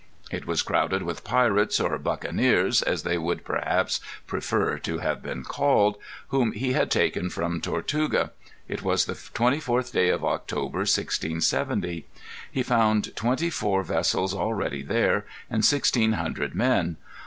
It was crowded with pirates, or buccaneers as they would perhaps prefer to have been called, whom he had taken from Tortuga. It was the 24th day of October, 1670. He found twenty four vessels already there, and sixteen hundred men.